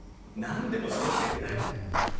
何でもそろってるんだ。